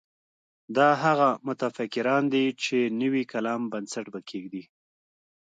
دا هغه متفکران دي چې نوي کلام بنسټ به کېږدي.